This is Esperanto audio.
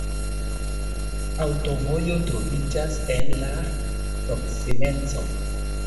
Aŭtovojo troviĝas en la proksimeco.